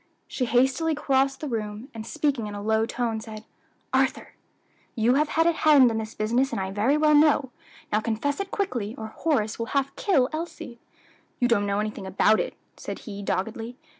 She hastily crossed the room, and speaking in a low tone, said, "Arthur, you have had a hand in this business I very well know; now confess it quickly, or Horace will half kill Elsie." "You don't know anything about it," said he doggedly.